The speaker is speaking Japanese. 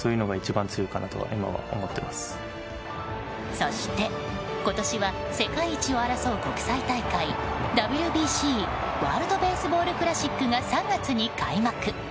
そして、今年は世界一を争う国際大会ＷＢＣ・ワールド・ベースボール・クラシックが３月に開幕。